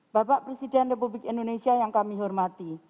bapak presiden republik indonesia yang kami hormati